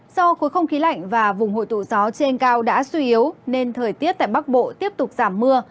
do khối không khí lạnh và vùng hội tụ gió trên cao đã suy yếu nên thời tiết tại bắc bộ tiếp tục giảm mưa